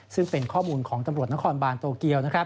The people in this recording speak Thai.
ซึ่งเป็นข้อมูลของตำรวจนครบานโตเกียว